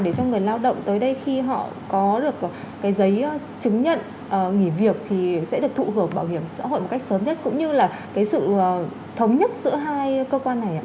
để cho người lao động tới đây khi họ có được cái giấy chứng nhận nghỉ việc thì sẽ được thụ hưởng bảo hiểm xã hội một cách sớm nhất cũng như là cái sự thống nhất giữa hai cơ quan này ạ